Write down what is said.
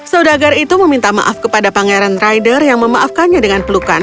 saudagar itu meminta maaf kepada pangeran rider yang memaafkannya dengan pelukan